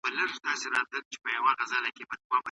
زده کړې نجونې د باور پر بنسټ حل لارې لټوي.